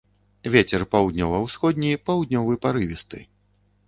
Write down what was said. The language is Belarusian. Вецер паўднёва-ўсходні, паўднёвы парывісты.